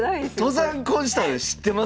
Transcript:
登山婚したの知ってます？